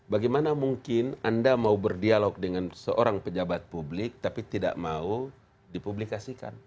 bagaimana mungkin anda mau berdialog dengan seorang pejabat publik tapi tidak mau dipublikasikan